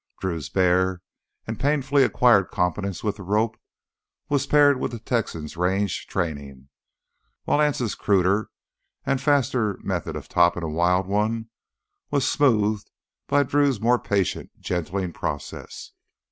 Drew's bare and painfully acquired competence with the rope was paired to the Texan's range training, while Anse's cruder and faster methods of "toppin' a wild one" were smoothed by Drew's more patient gentling process.